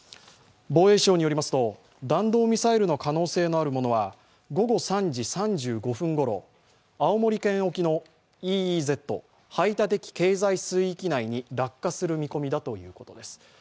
防衛省によりますと、弾道ミサイルの可能性のあるものは午後３時３５分ごろ、青森県沖のＥＥＺ＝排他的経済水域内に落下する見込みだということです。